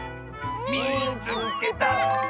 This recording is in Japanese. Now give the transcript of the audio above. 「みいつけた！」。